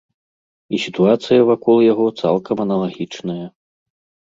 І сітуацыя вакол яго цалкам аналагічная.